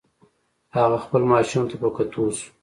هغه خپل ماشوم ته په کتو شو.